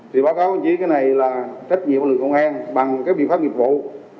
thì báo cáo chỉ cái này là trách nhiệm của lực lượng công an bằng các biện pháp nghiệp vụ mà chúng tôi sẽ kiểm tra